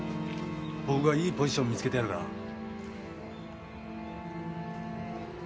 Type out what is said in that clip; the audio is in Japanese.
僕がいいポジション見つけてやるから。